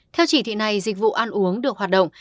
theo chỉ thị này dịch vụ ăn uống được hoạt động